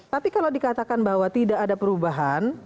tapi kalau dikatakan bahwa tidak ada perubahan